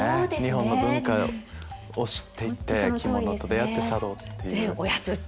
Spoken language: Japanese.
日本の文化を知って行って着物と出合って茶道っていう。